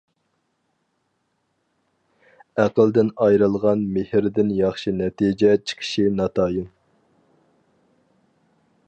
ئەقىلدىن ئايرىلغان مېھىردىن ياخشى نەتىجە چىقىشى ناتايىن.